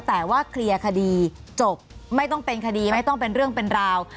แต่ว่าเคลียร์คดีจบไม่ต้องเป็นคดีไม่ต้องเป็นเรื่องเป็นราว